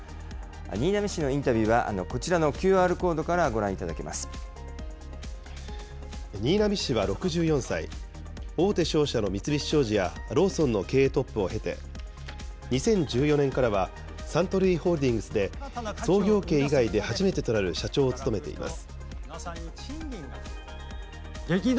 新浪氏のインタビューは、こちらのＱＲコードからご覧いただきま新浪氏は６４歳、大手商社の三菱商事や、ローソンの経営トップを経て、２０１４年からは、サントリーホールディングスで、創業家以外で初めてとなる社長を務めています。